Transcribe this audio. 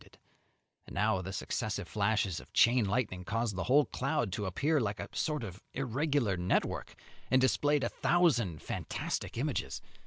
And now the successive flashes of chain lightning caused the whole cloud to appear like a sort of irregular network, and displayed a thousand fantastic images.